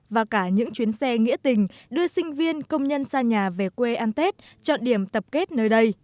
và cả những chuyến xe nghĩa tình đưa sinh viên công nhân xa nhà về quê ăn tết chọn điểm tập kết nơi đây